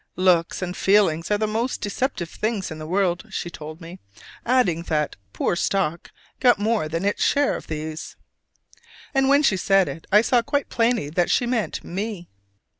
"Looks and feelings are the most deceptive things in the world," she told me; adding that "poor stock" got more than its share of these. And when she said it I saw quite plainly that she meant me.